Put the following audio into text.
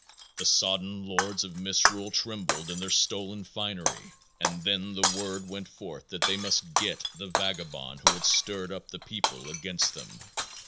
The sodden lords of misrule trembled in their stolen finery, and then the word went forth that they must "get" the vagabond who had stirred up the people against them.